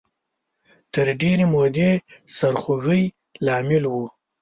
تر ډېرې مودې سرخوږۍ لامل و